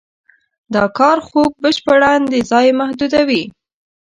دا کار خوک بشپړاً د ځای محدودوي.